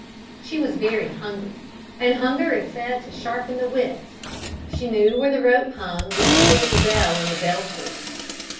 She was very hungry, and hunger is said to sharpen the wits. She knew where the rope hung which pulled the bell in the belfry.